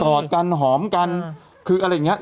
อดกันหอมกันคืออะไรอย่างนี้